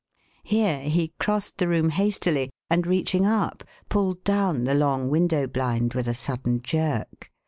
Here he crossed the room hastily and, reaching up, pulled down the long window blind with a sudden jerk.